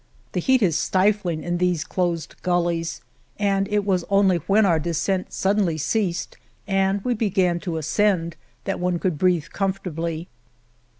The heat is stifling in these closed guUeys, and it was only when our descent suddenly ceased and we began to ascend that one could breathe comfortably.